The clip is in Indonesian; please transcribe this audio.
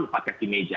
empat kaki meja